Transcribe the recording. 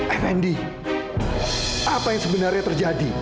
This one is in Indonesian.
fnd apa yang sebenarnya terjadi